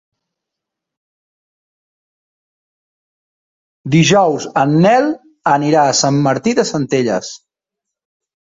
Dijous en Nel anirà a Sant Martí de Centelles.